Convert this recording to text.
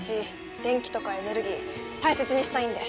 電気とかエネルギー大切にしたいんで。